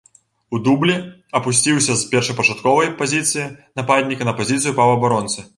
У дублі апусціўся з першапачатковай пазіцыі нападніка на пазіцыю паўабаронцы.